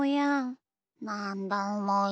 なんだもや？